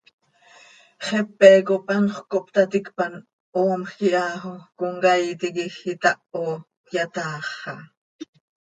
Xepe cop anxö cohptaticpan, hoomjc iha xo comcaii tiquij itaho, cöyataaxa.